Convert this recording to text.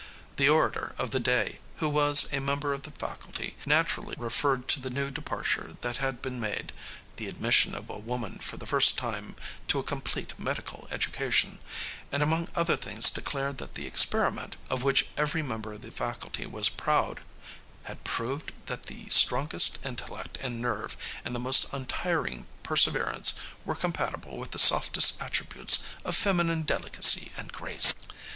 The orator of the day, who was a member of the faculty, naturally referred to the new departure that had been made the admission of a woman for the first time to a complete medical education and among other things declared that the experiment, of which every member of the faculty was proud, "had proved that the strongest intellect and nerve and the most untiring perseverance were compatible with the softest attributes of feminine delicacy and grace."